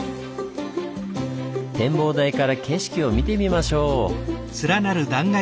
展望台から景色を見てみましょう！